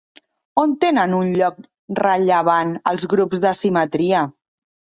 On tenen un lloc rellevant els grups de simetria?